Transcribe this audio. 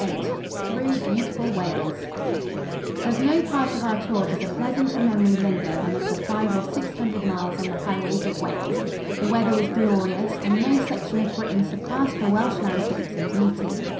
] VIII THROUGH BEAUTIFUL WALES Of no part of our tour does a pleasanter memory linger than of the five or six hundred miles on the highways of Wales. The weather was glorious and no section of Britain surpassed the Welsh landscapes in beauty.